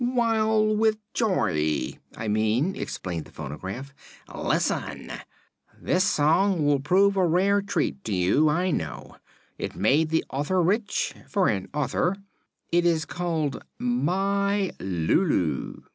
"Wild with joy, I mean," explained the phonograph. "Listen. This song will prove a rare treat to you, I know. It made the author rich for an author. It is called 'My Lulu.'"